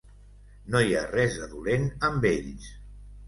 No hi ha res de dolent amb ells.